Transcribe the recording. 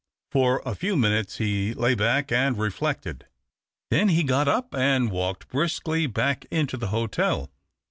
For a few minutes he lay back and reflected. Then he got up and walked briskly back into the hotel.